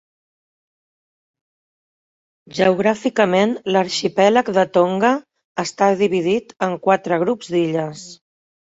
Geogràficament l'arxipèlag de Tonga està dividit en quatre grups d'illes.